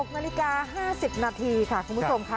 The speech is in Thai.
๖นาฬิกา๕๐นาทีค่ะคุณผู้ชมค่ะ